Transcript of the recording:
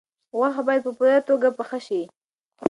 غوښه باید په پوره توګه پاخه شي.